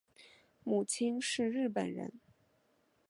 母亲是日本人。